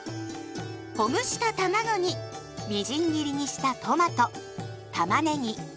ほぐしたたまごにみじん切りにしたトマトたまねぎ